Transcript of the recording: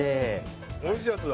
おいしいやつだ